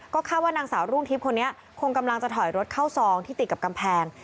ก็คาดว่านางสาวรุ่งทิพย์คนนี้คงกำลังจะถอยรถเข้าซองที่ติดกับกำแพง